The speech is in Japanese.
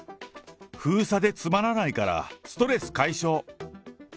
封鎖でつまらないから、ストレス解消。